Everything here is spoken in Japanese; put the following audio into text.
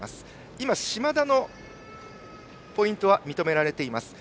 今、嶋田のポイントは認められています。